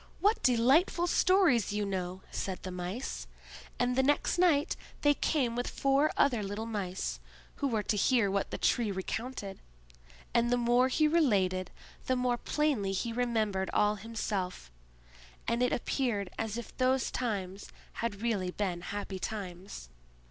"What delightful stories you know!" said the Mice; and the next night they came with four other little Mice, who were to hear what the Tree recounted; and the more he related, the more plainly he remembered all himself; and it appeared as if those times had really been happy times.